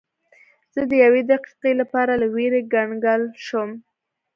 زه د یوې دقیقې لپاره له ویرې کنګل شوم.